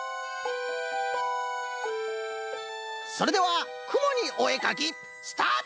それではくもにおえかきスタート！